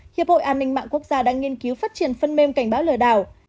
hiệp hội an ninh mạng quốc gia đang nghiên cứu phát triển phân mêm cảnh báo lừa đảo